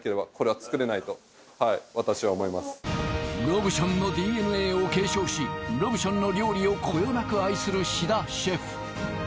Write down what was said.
ロブションのＤＮＡを継承しロブションの料理をこよなく愛する志田シェフ